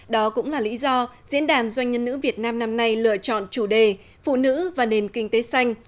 đó cũng là lý do diễn đàn doanh nhân nữ việt nam năm nay lựa chọn chủ đề phụ nữ và nền kinh tế xanh